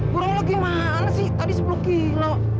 burung lu gimana sih tadi sepuluh kilo